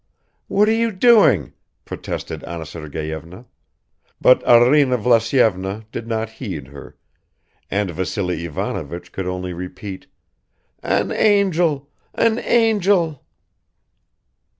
"What are you doing?" protested Anna Sergeyevna; but Arina Vlasyevna did not heed her and Vassily Ivanovich could only repeat, "An angel! An angel!"